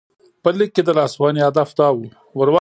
په لیک کې د لاسوهنې هدف دا و.